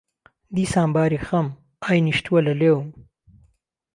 دیسان باری خهم، ئای نیشتووه له لێوم